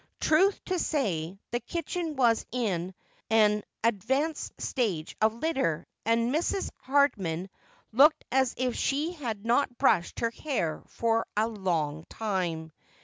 Truth to say, the kitchen was in an 324 Just as I Am. advanced stage of litter, and Mrs. Hardm.m looked as if she had not brushed her hair for a long time.